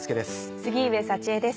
杉上佐智枝です。